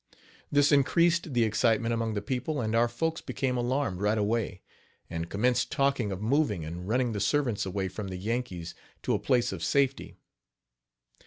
This increased the excitement among the people; and our folks became alarmed right away, and commenced talking of moving and running the servants away from the Yankees, to a place of safety.